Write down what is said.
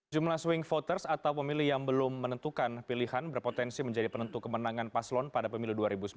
jumlah pilihan yang belum menentukan pilihan berpotensi menjadi penentu kemenangan paslon pada pemilih dua ribu sembilan belas